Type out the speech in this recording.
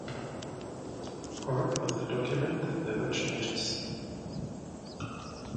Part of the document that never changes.